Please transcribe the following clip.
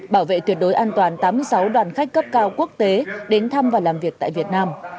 bảo vệ tuyệt đối an toàn tám mươi sáu đoàn khách cấp cao quốc tế đến thăm và làm việc tại việt nam